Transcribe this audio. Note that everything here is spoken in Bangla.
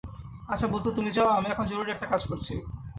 আচ্ছা বজলু তুমি যাও, আমি এখন জরুরি একটা কাজ করছি।